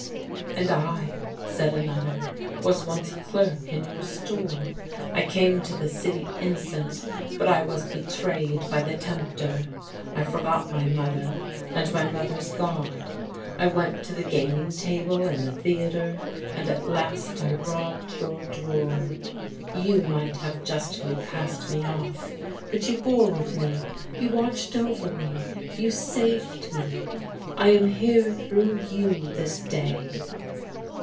"And I," said another, "was once a clerk in your store. I came to the city innocent, but I was betrayed by the tempter. I forgot my mother, and my mother's God. I went to the gaming table and the theatre, and at last I robbed your drawer. You might have justly cast me off; but you bore with me, you watched over me, you saved me. I am here through you this day."